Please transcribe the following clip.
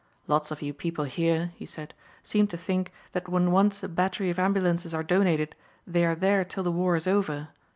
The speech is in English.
"Lots of you people here," he said, "seem to think that when once a battery of ambulances are donated they are there till the war is over.